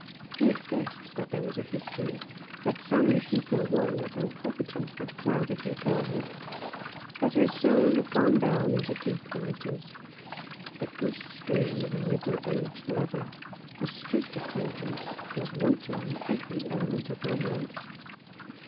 He had guessed that there was a history ; that some deeper woe than poverty had clouded her girlhood ; that her soul had gone down into deep waters. But this story of a middle aged lover — a street acquaintance — was wanting in every element of romance.